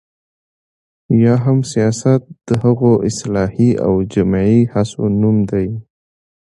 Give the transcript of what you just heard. یا هم سياست د هغو اصلاحي او جمعي هڅو نوم دی،